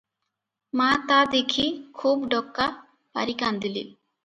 ମା ତା ଦେଖି ଖୁବ୍ ଡକା ପାରି କାନ୍ଦିଲେ ।